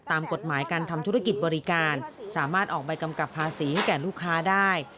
ตามกฎหมายการทำธุรกิจบริการสามารถออกใบกำกับภาษีให้แก่ลูกค้าได้